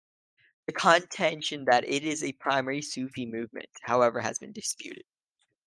The contention that it is a primarily Sufi movement, however, has been disputed.